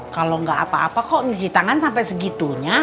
kalau nggak apa apa kok cuci tangan sampai segitunya